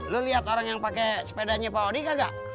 lo liat orang yang pake sepedanya pak odi kagak